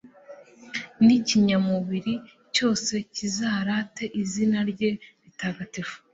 n'ikinyamubiri cyose kizarate izina rye ritagatifu,